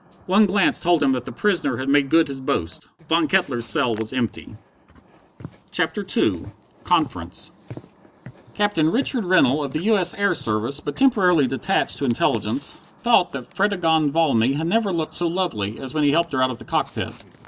One glance told him that the prisoner had made good his boast. Von Kettler's cell was empty! CHAPTER II Conference Captain Richard Rennell, of the U. S. Air Service, but temporarily detached to Intelligence, thought that Fredegonde Valmy had never looked so lovely as when he helped her out of the cockpit.